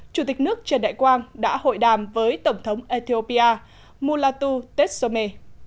chủ tịch nước trần đại quang đã hội đàm với tổng thống ethiopia mulatu tesome